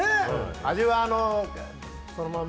味はそのまま。